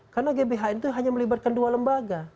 karena gbhn itu hanya melibatkan dua lembaga